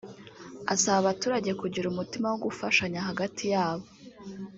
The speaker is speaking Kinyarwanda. asaba abaturage kugira umutima wo gufashanya hagati yabo